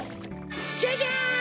ジャジャン！